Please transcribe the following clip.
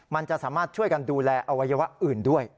มันจะสามารถช่วยกันดูแลอวัยวะอื่นด้วย